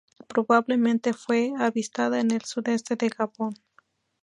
Probablemente fue avistada en el sudeste de Gabón.